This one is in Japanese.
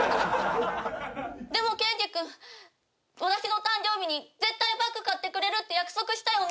でもケンジ君私の誕生日に絶対バッグ買ってくれるって約束したよね？